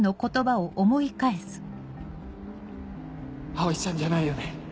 葵ちゃんじゃないよね？